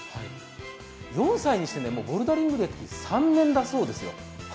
４歳にしてボルダリング歴３年だそうですよ。